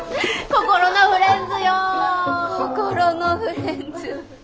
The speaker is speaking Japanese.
「心のフレンズ」。